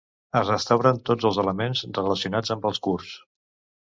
Es restauren tots els elements relacionats amb el curs.